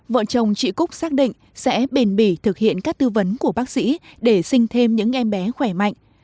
vợ chồng chị cúc xác định sẽ bền bỉ thực hiện các tư vấn của bác sĩ để sinh thêm những em bé khỏe mạnh